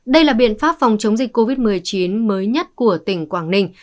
đây là biện pháp phòng chống dịch covid một mươi chín mới nhất của tỉnh quảng ninh